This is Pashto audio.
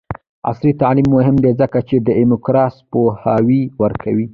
عصري تعلیم مهم دی ځکه چې د ای کامرس پوهاوی ورکوي.